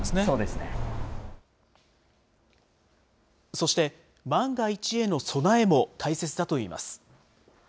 そして、万が一への備えも大切だといいます。